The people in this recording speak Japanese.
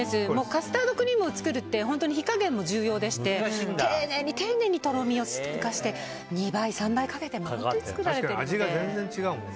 カスタードクリームを作るって本当に火加減も重要でして丁寧に丁寧にとろみを作って２倍３倍かけて本当に作られているので。